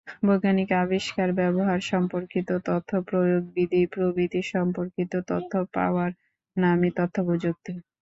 বৈজ্ঞানিক আবিষ্কার, ব্যবহার-সম্পর্কিত তথ্য, প্রয়োগবিধি প্রভৃতি সম্পর্কিত তথ্য পাওয়ার নামই তথ্যপ্রযুক্তি।